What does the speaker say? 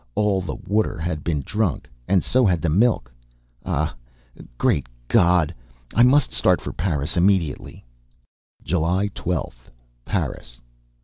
All the water had been drunk, and so had the milk! Ah! Great God! I must start for Paris immediately. July 12th. Paris.